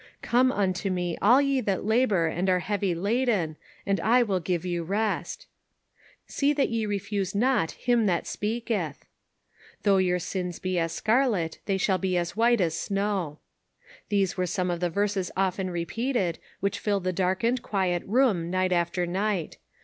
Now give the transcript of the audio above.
" Come unto me all ye that labor and are heavy laden, and I will give you rest." " See that ye refuse not him that speaketh." Though your sins be as scarlet, they shall be as white as snow." These were some of the verses often repeated, which filled the dark ened, quiet room night after night.